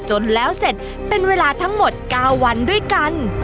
จนแล้วเสร็จเป็นเวลาทั้งหมด๙วันด้วยกัน